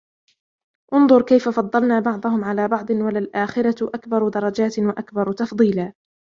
انْظُرْ كَيْفَ فَضَّلْنَا بَعْضَهُمْ عَلَى بَعْضٍ وَلَلْآخِرَةُ أَكْبَرُ دَرَجَاتٍ وَأَكْبَرُ تَفْضِيلًا